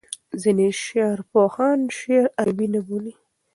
ځینې شعرپوهان شعر عربي نه بولي.